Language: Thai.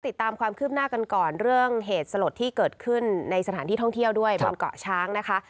ติดตามความคืบหน้ากันก่อนเรื่องเหตุสลดที่เกิดขึ้นในสถานที่ท่องเที่ยวด้วยบนเกาะช้างนะคะ